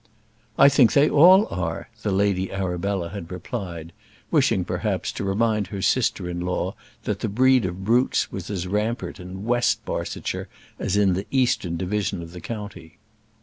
"I think they all are," the Lady Arabella had replied; wishing, perhaps, to remind her sister in law that the breed of brutes was as rampant in West Barsetshire as in the eastern division of the county.